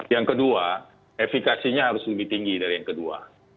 yang kedua efikasinya harus lebih tinggi dari yang kedua